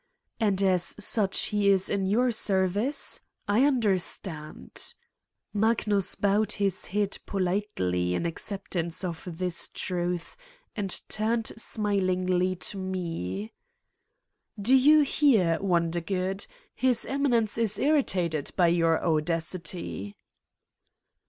"And as such he is in your service? I under stand," Magnus bowed his head politely in accept ance of this truth and turned smilingly to me: 260 Satan's Diary "Do you hear, Wondergood? His Eminence is irritated by your audacity."